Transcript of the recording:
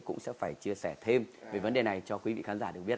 cũng sẽ phải chia sẻ thêm về vấn đề này cho quý vị khán giả được biết